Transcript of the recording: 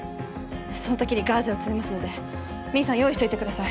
その時にガーゼを詰めますのでミンさん用意しておいてください